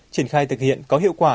triển khai thực hiện có hiệu quả